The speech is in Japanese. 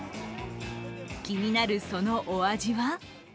気になる、そのお味は？